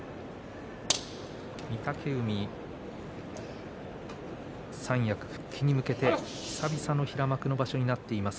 御嶽海、三役復帰に向けて久々の平幕の場所になっています。